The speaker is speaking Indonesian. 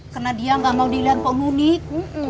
karena dia gak mau dilihat poh nunik